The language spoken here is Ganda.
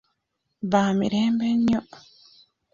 Baamirembe nnyo.